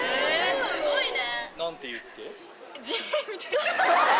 すごいね！